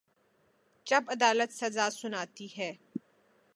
جب عدالت سزا سناتی ہے۔